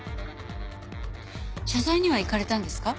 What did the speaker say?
謝罪には行かれたんですか？